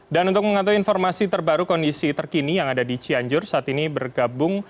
dan untuk mengatasi informasi terbaru kondisi terkini yang ada di cianjur saat ini bergabung